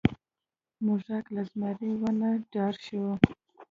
موږک له زمري ونه ډار شو.